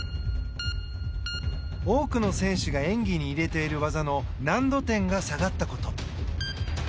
多くの選手が演技に入れている技の難度点が下がったこと。